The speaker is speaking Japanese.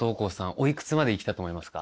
おいくつまで生きたと思いますか？